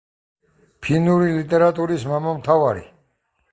ფინური ლიტერატურის მამამთავარი.